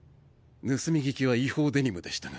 盗み聞きは違法デニムでしたが。